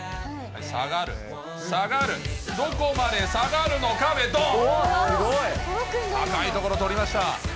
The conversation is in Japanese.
下がる、下がる、どこまで下がる高いところ捕りました。